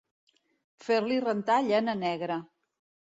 Fer-li rentar llana negra.